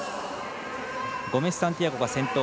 ゴメスサンティアゴが先頭。